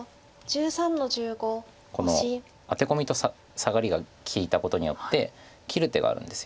このアテコミとサガリが利いたことによって切る手があるんですよね。